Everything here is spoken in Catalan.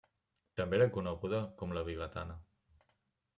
També era coneguda com La Vigatana.